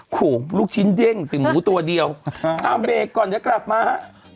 โอ้โหลูกชิ้นเด้งสิหมูตัวเดียวอ้าวเบกก่อนจะกลับมา